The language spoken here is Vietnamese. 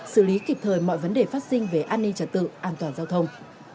xử lý kịp thời mọi vấn đề phát sinh về an ninh trật tự an toàn giao thông